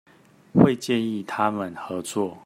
會建議他們合作